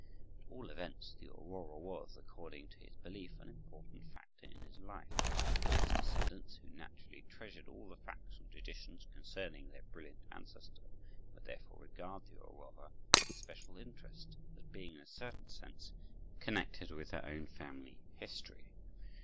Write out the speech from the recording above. At all events, the aurora was, according to his belief, an important factor in his life. His descendants, who naturally treasured all the facts and traditions concerning their brilliant ancestor, would therefore regard the aurora with special interest as being, in a certain sense, connected with their own family history.